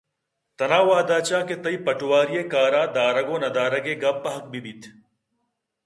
تنا وہدءَچہ کہ تئی پٹواری ءِ کارءَ دارگ ءُنہ دارگ ء ِ گپ پہک بہ بیت